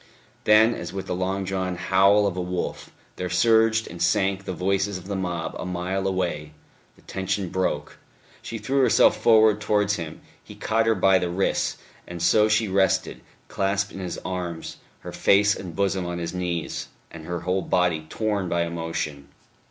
Then, as with a long drawn howl of a wolf, there surged and sank the voices of the mob a mile away, the tension broke.... She threw herself forward towards him, he caught her by the wrists, and so she rested, clasped in his arms, her face and bosom on his knees, and her whole body torn by emotion.